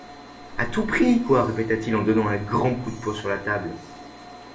À tout prix, quoi ! répéta-t-il en donnant un grand coup de poing sur la table.